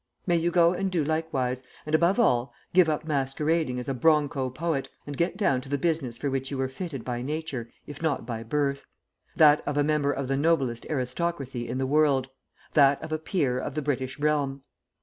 May you go and do likewise, and above all, give up masquerading as a Broncho poet, and get down to the business for which you were fitted by nature, if not by birth: that of a member of the noblest aristocracy in the world; that of a peer of the British realm.